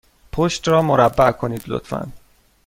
پشت را مربع کنید، لطفا.